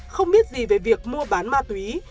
không biết gì về việc mua bán ma túy